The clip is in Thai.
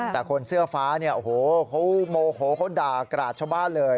แต่คนเสื้อฟ้าเนี่ยโอ้โหเขาโมโหเขาด่ากราดชาวบ้านเลย